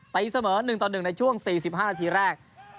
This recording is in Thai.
ตีเสมอ๑ต่อ๑ในช่วง๔๕นาทีแรก